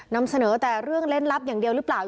นำเสนอแต่เรื่องเล่นลับอย่างเดียวหรือเปล่า